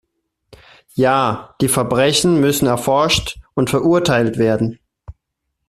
Ja, die Verbrechen müssen erforscht und verurteilt werden.